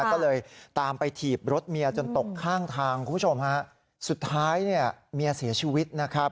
ก็เลยตามไปถีบรถเมียจนตกข้างทางคุณผู้ชมฮะสุดท้ายเนี่ยเมียเสียชีวิตนะครับ